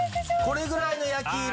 これぐらいの焼き色？